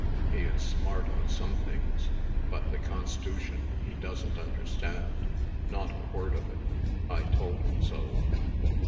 He is smart on some things, but THE CONS'TUTION he doesn't understand not a word of it. I told him so."